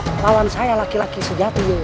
melawan saya laki laki sejati